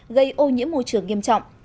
gây ô nhiễm môi trường nghiêm trọng